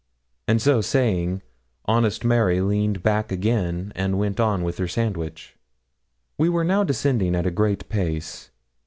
And so saying, honest Mary leaned back again, and went on with her sandwich. We were now descending at a great pace.